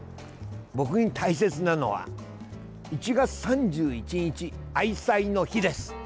僕に大切なのは１月３１日愛妻の日です。